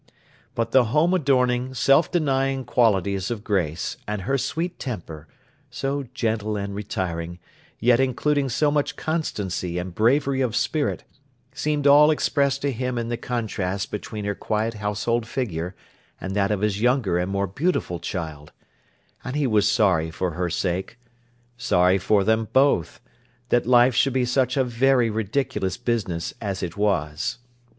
But, the home adorning, self denying qualities of Grace, and her sweet temper, so gentle and retiring, yet including so much constancy and bravery of spirit, seemed all expressed to him in the contrast between her quiet household figure and that of his younger and more beautiful child; and he was sorry for her sake—sorry for them both—that life should be such a very ridiculous business as it was.